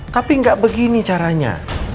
tapi gak begini caranya